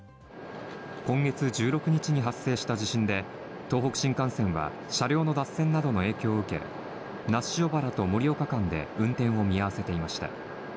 今月１６日に発生した地震で東北新幹線は車両の脱線などの影響を受け、那須塩原と盛岡間で運転を見合わせていました。